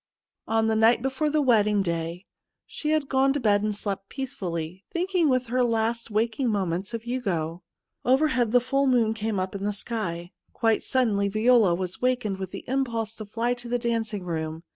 On the night before the wedding, day she had gone to bed and slept peacefully, thinking Avith her last 54 THE MOON SLAVE waking moments of Hugo. Over head the full moon came up the sky. Quite suddenly Viola was wakened with the impulse to fly to the dancing room.